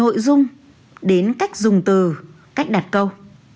đối tượng viết từ nội dung đến cách dùng từ cách đặt câu